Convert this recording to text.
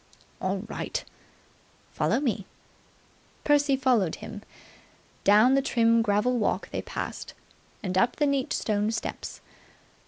"All right." "Follow me." Percy followed him. Down the trim gravel walk they passed, and up the neat stone steps.